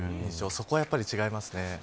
そこはやっぱり違いますね。